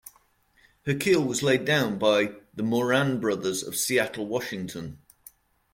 Her keel was laid down by the Moran Brothers of Seattle, Washington.